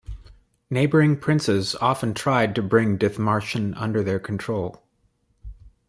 Neighbouring princes often tried to bring Dithmarschen under their control.